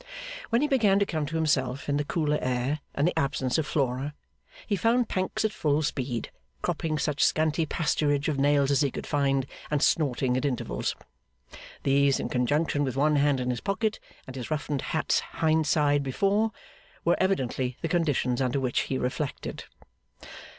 When he began to come to himself, in the cooler air and the absence of Flora, he found Pancks at full speed, cropping such scanty pasturage of nails as he could find, and snorting at intervals. These, in conjunction with one hand in his pocket and his roughened hat hind side before, were evidently the conditions under which he reflected.